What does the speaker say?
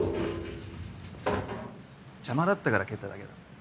邪魔だったから蹴っただけだ。